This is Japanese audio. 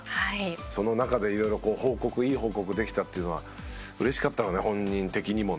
その中で色々いい報告できたっていうのは嬉しかったろうね本人的にもね。